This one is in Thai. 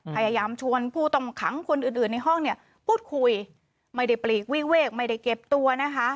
พยายามชวนผู้ต้องขังคนอื่นอื่นในห้องเนี่ยพูดคุยไม่ได้ปลีกวิเวกไม่ได้เก็บตัวนะคะ